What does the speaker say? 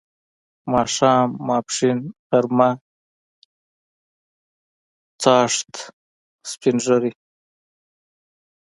ماښام، ماپښین، غرمه، چاښت، سپین ږیری